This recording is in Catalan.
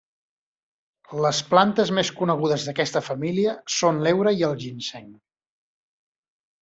Les plantes més conegudes d'aquesta família són l'heura i el ginseng.